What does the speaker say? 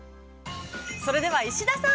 ◆それでは石田さん。